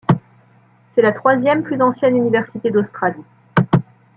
C'est la troisième plus ancienne université d'Australie.